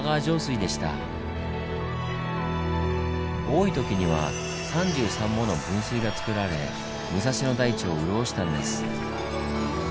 多いときには３３もの分水がつくられ武蔵野台地を潤したんです。